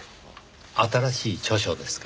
新しい著書ですか？